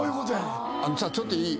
あのさちょっといい？